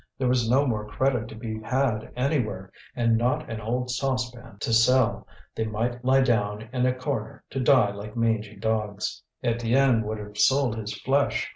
There was no more credit to be had anywhere and not an old saucepan to sell; they might lie down in a corner to die like mangy dogs. Étienne would have sold his flesh.